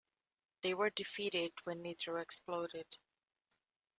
They were defeated when Nitro exploded.